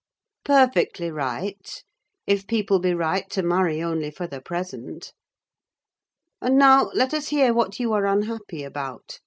"Perfectly right; if people be right to marry only for the present. And now, let us hear what you are unhappy about.